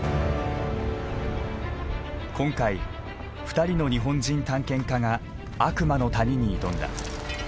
今回２人の日本人探検家が悪魔の谷に挑んだ。